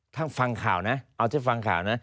ถ้าฟังข่าวนะเอาที่ฟังข่าวนะ